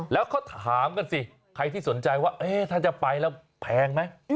แล้วเขาถามกันสิใครที่สนใจว่าถ้าจะไปแล้วแพงไหม